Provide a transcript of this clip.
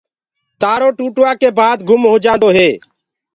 تآرو ٽوٚٽوآ ڪي بآد گُم هوجآندو هي۔